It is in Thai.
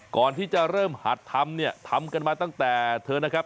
ก่อนที่จะเริ่มหัดทำเนี่ยทำกันมาตั้งแต่เธอนะครับ